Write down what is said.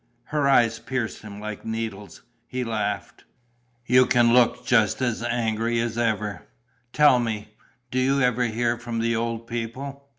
Her eyes pierced him like needles. He laughed: "You can look just as angry as ever.... Tell me, do you ever hear from the old people?